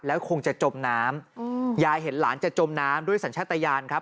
แล้วคงจะจมน้ำยายเห็นหลานจะจมน้ำด้วยสัญชาติยานครับ